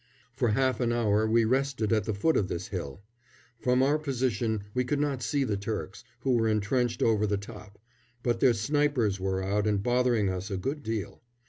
For half an hour we rested at the foot of this hill. From our position we could not see the Turks, who were entrenched over the top; but their snipers were out and bothering us a good deal.